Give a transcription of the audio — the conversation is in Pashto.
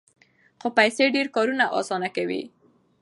خو پیسې ډېر کارونه اسانه کوي.